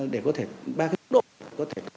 để có thể ba cái hướng dẫn để có thể